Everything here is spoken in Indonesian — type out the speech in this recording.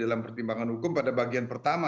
dalam pertimbangan hukum pada bagian pertama